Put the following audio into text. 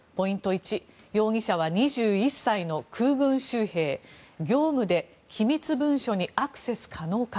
１容疑者は２１歳の空軍州兵業務で機密文書にアクセス可能か。